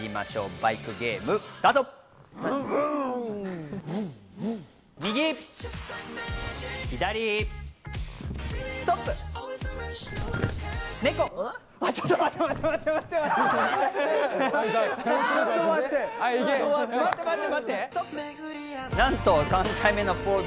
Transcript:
バイクゲームスタート！